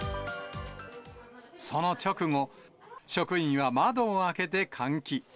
その直後、職員は窓を開けて換気。